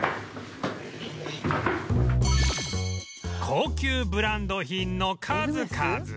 高級ブランド品の数々